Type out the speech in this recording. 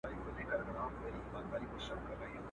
ما د زهرو پیاله نوش کړه د اسمان استازی راغی.